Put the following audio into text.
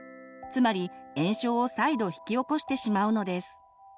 つまり炎症を再度引き起こしてしまうのです。